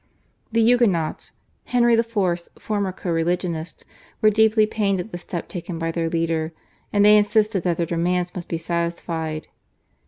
The Huguenots, Henry IV.'s former co religionists, were deeply pained at the step taken by their leader, and they insisted that their demands must be satisfied.